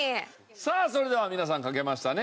さあそれでは皆さん書けましたね。